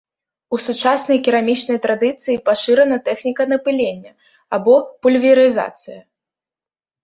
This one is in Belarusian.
У сучаснай керамічнай традыцыі пашырана тэхніка напылення, або пульверызацыя.